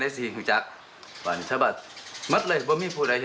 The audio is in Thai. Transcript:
แต่คนคุณจะจนไม่รู้ว่า